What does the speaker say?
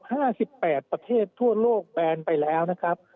ห้าสิบแปดประเทศทั่วโลกแบนไปแล้วนะครับ